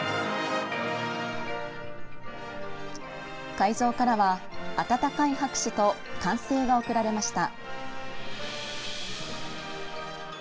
会場からは、温かい拍手と歓声が送られました。